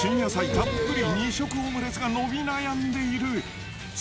たっぷり２色オムレツが伸び悩んでいる。